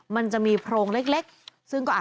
มันจะมีโพรงเล็ก